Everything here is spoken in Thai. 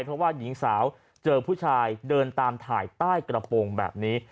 เพราะว่าหญิงสาวเจอผู้ชายเดินตามถ่ายใต้กระโปรงแบบนี้